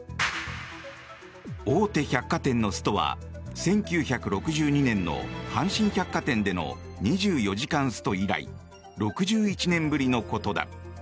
大手百貨店のストは１９６２年の阪神百貨店での２４時間スト以来６１年ぶりのことだ。